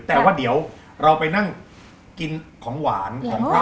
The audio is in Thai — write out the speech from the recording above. แต่ว่าเดี๋ยวเราไปนั่งกินของหวานของเรา